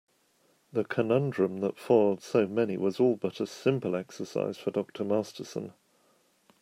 The conundrum that foiled so many was all but a simple exercise for Dr. Masterson.